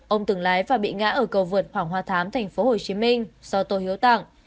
ông từng lái và bị ngã ở cầu vượt hoàng hoa thám tp hcm do tô hiếu tặng